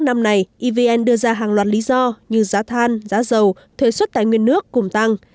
ngo như giá than giá dầu thuê xuất tài nguyên nước cùng tăng